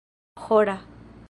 hora